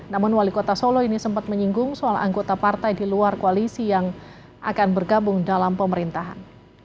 namun wali kota solo ini sempat menyinggung soal anggota partai di luar koalisi yang akan bergabung dalam pemerintahan